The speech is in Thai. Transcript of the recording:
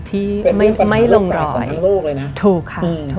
ที่ไม่ลงรอยถูกค่ะ